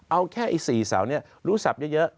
เอาแค่อีก๔เสาเนี่ยรู้ศัพท์เยอะ